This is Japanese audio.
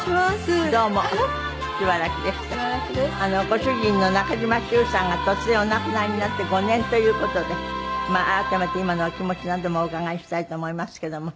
ご主人の中嶋しゅうさんが突然お亡くなりになって５年という事で改めて今のお気持ちなどもお伺いしたいと思いますけども。